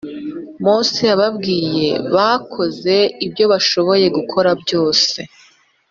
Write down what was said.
mose yababwiye. bakoze ibyo bashoboye gukora byose,